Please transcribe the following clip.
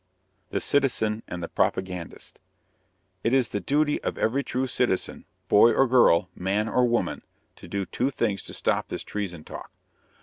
THE CITIZEN AND THE PROPAGANDIST. It is the duty of every true citizen, boy or girl, man or woman, to do two things to stop this treason talk.